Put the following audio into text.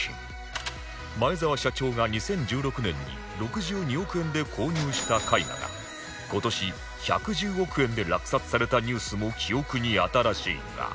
前澤社長が２０１６年に６２億円で購入した絵画が今年１１０億円で落札されたニュースも記憶に新しいが